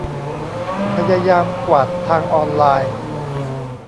พยายามกวาดทางออนไลน์